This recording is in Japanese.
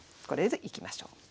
これでいきましょう。